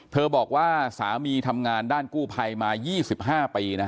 เธอบอกว่าสามีทำงานด้านกู้ไพรมา๒๕ปีนะฮะ